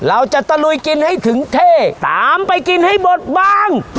ตะลุยกินให้ถึงเท่ตามไปกินให้บดบ้าง